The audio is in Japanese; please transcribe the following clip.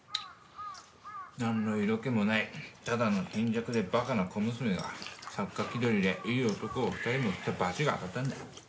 なんの色気もないただの貧弱でバカな小娘が作家気取りでいい男を２人も振ったバチが当たったんだ。